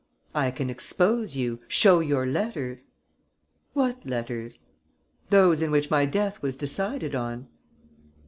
"I can expose you, show your letters." "What letters?" "Those in which my death was decided on."